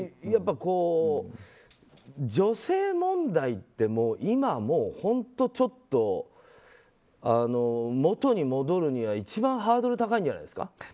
やっぱり女性問題って今は本当にちょっと元に戻るには一番ハードル高いんじゃないですか。